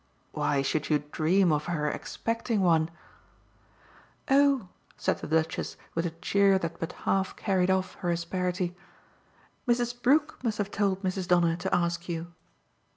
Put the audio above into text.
"Why should you dream of her expecting one?" "Oh," said the Duchess with a cheer that but half carried off her asperity, "Mrs. Brook must have told Mrs. Donner to ask you!"